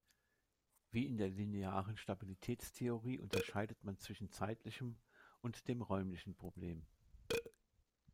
Wie in der Linearen Stabilitätstheorie unterscheidet man zwischen zeitlichem und dem räumlichen Problem.